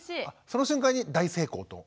その瞬間に大成功と。